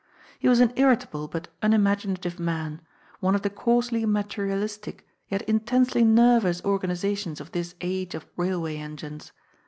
He was an irritable but unimaginative man, one of the coarsely materialistic yet intensely nervous organiza tions of this age of railway engines.